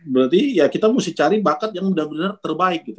berarti ya kita mesti cari bakat yang benar benar terbaik gitu